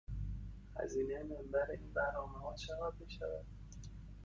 هزینه مبر این نامه ها چقدر می شود؟